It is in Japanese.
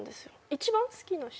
一番好きな人？